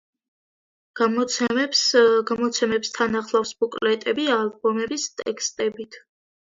გამოცემებს თან ახლავს ბუკლეტები ალბომების ტექსტებით.